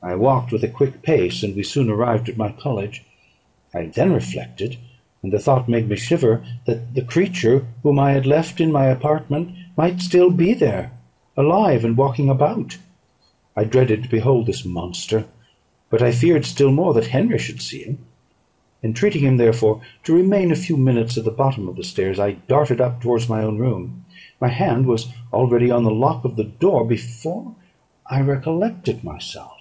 I walked with a quick pace, and we soon arrived at my college. I then reflected, and the thought made me shiver, that the creature whom I had left in my apartment might still be there, alive, and walking about. I dreaded to behold this monster; but I feared still more that Henry should see him. Entreating him, therefore, to remain a few minutes at the bottom of the stairs, I darted up towards my own room. My hand was already on the lock of the door before I recollected myself.